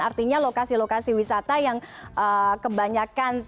artinya lokasi lokasi wisata yang kebanyakan